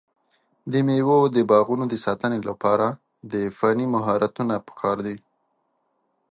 د مېوو د باغونو د ساتنې لپاره د فني مهارتونو پکار دی.